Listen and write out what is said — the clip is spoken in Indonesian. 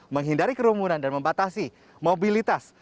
menghindari kerumunan dan membatasi mobilitas